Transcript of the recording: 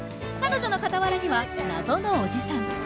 彼女の傍らには謎のおじさん。